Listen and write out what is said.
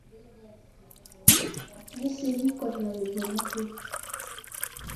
Nizi wi kotna vi bunukŋa.